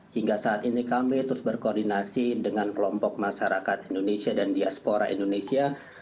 hingga saat ini kami terus berkoordinasi dengan kelompok masyarakat indonesia dan diaspora indonesia